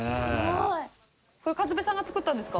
これかずぺさんが作ったんですか？